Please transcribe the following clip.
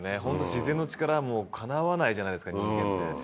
自然の力もうかなわないじゃないですか人間って。